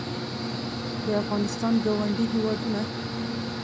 د افغانستان ګاونډي هېوادونه